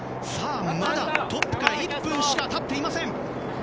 まだトップから１分しか経っていません。